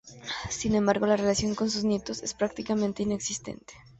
Sin embargo, la relación con sus nietos es prácticamente inexistente.